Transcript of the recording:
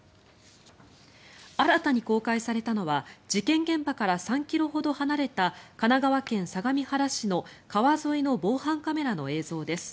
新たに公開されたのは事件現場から３ｋｍほど離れた神奈川県相模原市の川沿いの防犯カメラの映像です。